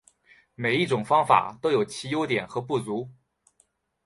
每一种方法都有其优点和不足。